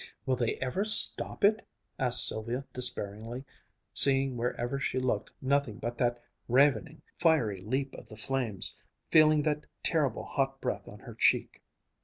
"Will they ever stop it!" asked Sylvia despairingly, seeing wherever she looked nothing but that ravening, fiery leap of the flames, feeling that terrible hot breath on her cheek.